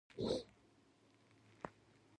احمده! راځه ولې دې نوک نيو؟